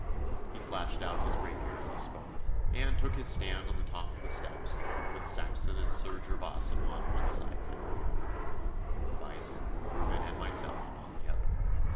He flashed out his rapier as he spoke, and took his stand on the top of the steps, with Saxon and Sir Gervas upon one side of him, Buyse, Reuben, and myself upon the other.